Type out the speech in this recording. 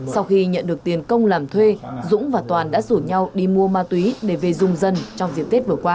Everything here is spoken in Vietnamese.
sau khi nhận được tiền công làm thuê dũng và toàn đã rủ nhau đi mua ma túy để về dung dân trong dịp tết vừa qua